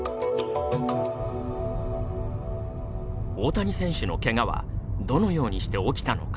大谷選手のけがはどのようにして起きたのか？